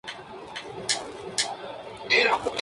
Es hermano del ex-futbolista Guillermo Pereyra.